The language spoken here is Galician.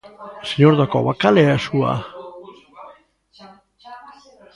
Señor Dacova, ¿cal é a súa?